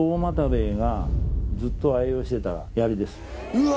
うわ！